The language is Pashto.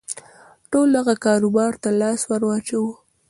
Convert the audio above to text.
ټولو دغه کاروبار ته لاس ور واچاوه.